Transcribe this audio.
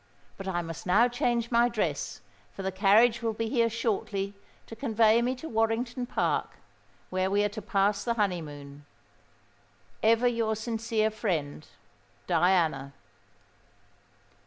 But I must now change my dress; for the carriage will be here shortly to convey me to Warrington Park, where we are to pass the honeymoon. "Ever your sincere friend, "DIANA."